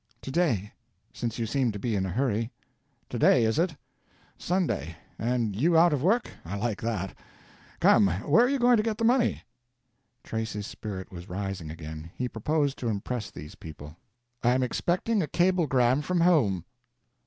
"To day—since you seem to be in a hurry." "To day is it? Sunday—and you out of work? I like that. Come—where are you going to get the money?" Tracy's spirit was rising again. He proposed to impress these people: "I am expecting a cablegram from home."